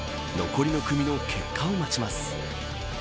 残りの組の結果を待ちます。